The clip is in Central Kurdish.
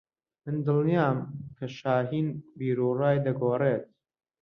من دڵنیام کە شاھین بیروڕای دەگۆڕێت.